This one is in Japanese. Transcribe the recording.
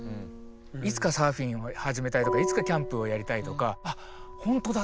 いつかサーフィンを始めたいとかいつかキャンプをやりたいとか「あっほんとだ。